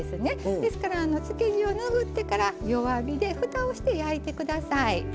ですから漬け地を拭ってから弱火でふたをして焼いて下さい。